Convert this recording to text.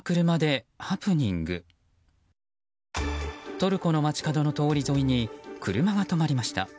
トルコの街角の通り沿いに車が止まりました。